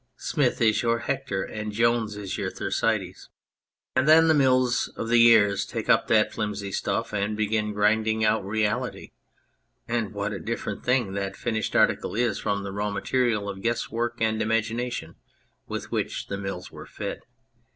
Smith is your Hector and Jones is your Thersites ! And then the mills of the years take up that flimsy stuff and begin grinding out reality, and what a different thing that finished article is from the raw material of guesswork and imagination with which the mills were fed